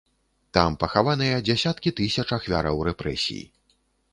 Там пахаваныя дзясяткі тысяч ахвяраў рэпрэсій.